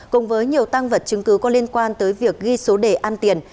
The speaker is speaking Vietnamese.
cùng với nhiều tăng vật chứng cứ có liên quan tới việc ghi số đề ăn tiền